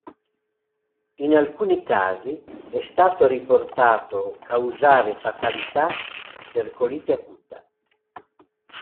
In alcuni casi è stato riportato causare fatalità per colite acuta.